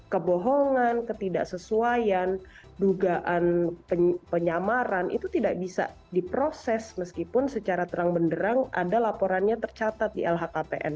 kebohongan ketidaksesuaian dugaan penyamaran itu tidak bisa diproses meskipun secara terang benderang ada laporannya tercatat di lhkpn